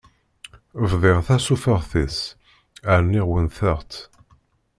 Bḍiɣ tasufeɣt-is rniɣ wennteɣ-tt.